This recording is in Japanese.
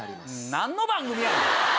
何の番組やねん！